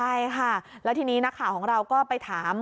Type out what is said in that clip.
ใช่ค่ะแล้วทีนี้นักข่าวของเราก็ไปถาม